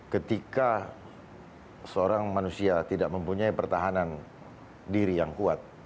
ketika seorang manusia tidak mempunyai pertahanan diri yang kuat